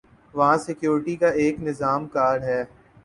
وہاں سکیورٹی کا ایک نظام کار ہے۔